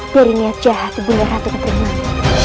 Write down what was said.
dari niat jahat bunda ratu penteri manik